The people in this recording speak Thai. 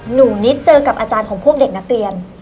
หนูนิดเจอกับอาจารย์ของพวกเด็กนักเรียน